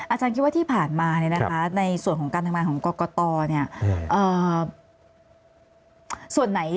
อาจารย์คิดว่าที่ผ่านมาเนี่ยนะคะในส่วนของการทำงานของกตเนี่ย